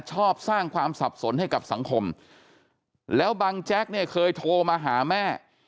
ชอบสร้างความสับสนให้กับสังคมแล้วบังแจ๊กเนี่ยเคยโทรมาหาแม่